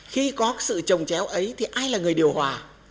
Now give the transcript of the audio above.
khi có sự trồng chéo ấy thì ai là người điều hòa